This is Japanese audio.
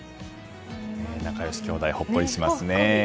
仲良し兄弟、ほっこりしますね。